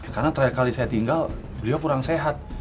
karena terakhir kali saya tinggal beliau kurang sehat